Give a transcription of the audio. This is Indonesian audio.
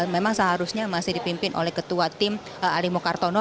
memang seharusnya masih dipimpin oleh ketua tim ali mukartono